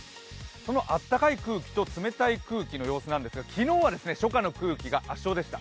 このあったかい空気と冷たい空気の様子なんですが、昨日は初夏の空気が圧勝でした。